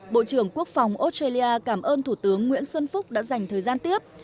bộ trưởng quốc phòng australia cảm ơn thủ tướng nguyễn xuân phúc đã dành thời gian tiếp